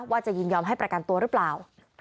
ว่าจะยินยอมให้ประกันตัวหรือเปล่า